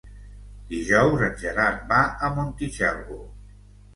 Dijous en Gerard va a Montitxelvo.